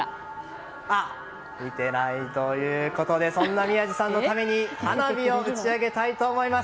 見てないということでそんな宮司さんのために花火を打ち上げたいと思います。